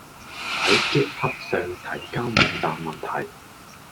喺 GitHub 上提交網站問題